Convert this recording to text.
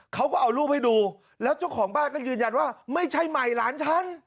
เขาก็เอารูปให้ดูแล้วเจ้าของบ้านก็ยืนยันว่าไม่ใช่ใหม่หลานฉัน